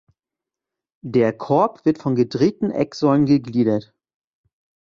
Der Korb wird von gedrehten Ecksäulen gegliedert.